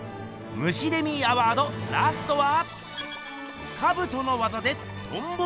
ムシデミーアワードラストは。